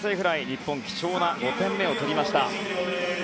日本、貴重な５点目を取りました。